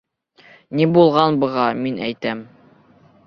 Ни булған быға, мин әйтәм.